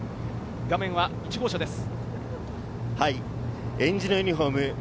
画面は１号車です。